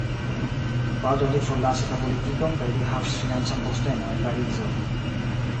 Baldaŭ li forlasis la politikon kaj li havis financan postenon en Parizo.